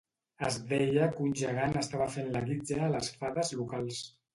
Es deia que un gegant estava fent la guitza a les fades locals.